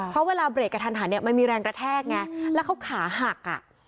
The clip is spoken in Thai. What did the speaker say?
เพราะเวลาเบรกกระทันหันเนี่ยมันมีแรงกระแทกไงแล้วเขาขาหักอ่ะ